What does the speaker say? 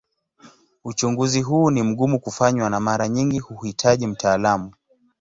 Uchunguzi huu ni mgumu kufanywa na mara nyingi huhitaji mtaalamu.